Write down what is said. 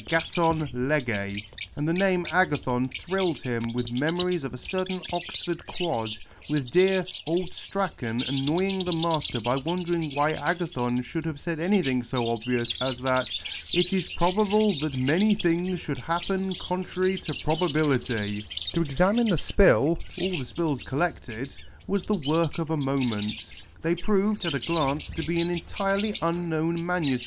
\yd6(j>v Key It and the name Agathon thrilled him with memories of a certain Oxford quad, with dear " old Straehan " annoying the Master by wondering why Agathon should have said anything so obvious as that " it is jMobable that many things should happen con trary to probability." To examine the spill, all the spills collected, was the work of a moment. They proved, at a glance, to be an entirely unknown MS.